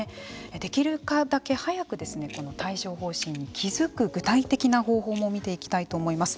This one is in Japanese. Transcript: できるだけ早く帯状ほう疹に気付く具体的な方法も見ていきたいと思います。